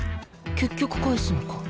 結局返すのか。